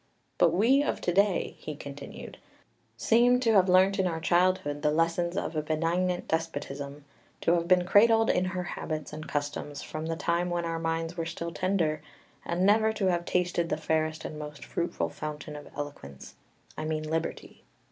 But we of to day," he continued, "seem to have learnt in our childhood the lessons of a benignant despotism, to have been cradled in her habits and customs from the time when our minds were still tender, and never to have tasted the fairest and most fruitful fountain of eloquence, I mean liberty.